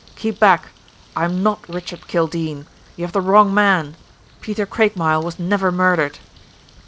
"Keep back. I'm not Richard Kildene. You have the wrong man. Peter Craigmile was never murdered."